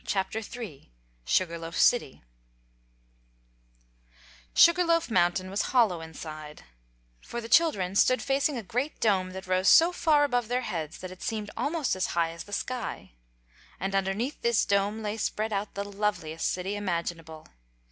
Chapter III Sugaf Loaf City SUGAR LOAF Mountain was hollow inside, for the children stood facing a great dome that rose so far above their heads that it seemed almost as high as the sky. And underneath this dome lay spread out the loveliest city imaginable.